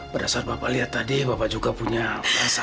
berdasar bapak lihat tadi bapak juga punya pikiran yang sama bu